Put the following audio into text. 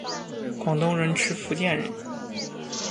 广东人吃福建人！